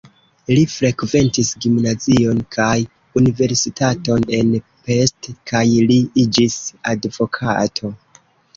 Li frekventis gimnazion kaj universitaton en Pest kaj li iĝis advokato.